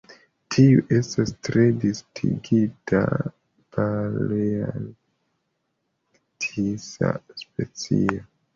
Tiu estas tre distinga palearktisa specio.